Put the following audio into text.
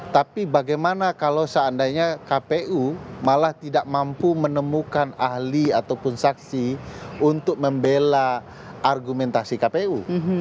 tapi bagaimana kalau seandainya kpu malah tidak mampu menemukan ahli ataupun saksi untuk membela argumentasi kpu